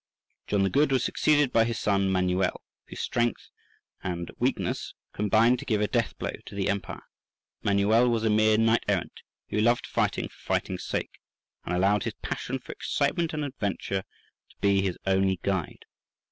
(28) John the Good was succeeded by his son Manuel, whose strength and weakness combined to give a deathblow to the empire. Manuel was a mere knight errant, who loved fighting for fighting's sake, and allowed his passion for excitement and adventure to be his only guide.